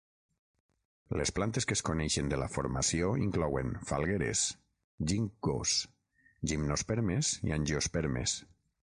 Les plantes que es coneixen de la formació inclouen falgueres, ginkgos, gimnospermes, i angiospermes.